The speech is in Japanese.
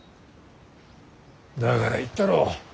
だから言ったろ。